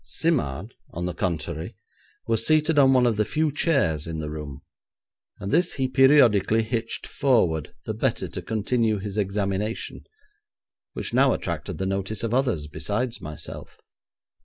Simard, on the contrary, was seated on one of the few chairs in the room, and this he periodically hitched forward, the better to continue his examination, which now attracted the notice of others besides myself.